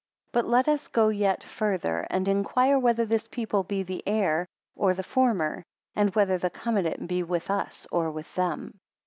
BUT let us go yet further, and inquire whether this people be the heir, or the former; and whether the covenant be with us or with them.